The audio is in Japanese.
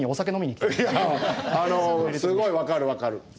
いやあのすごい分かる分かる。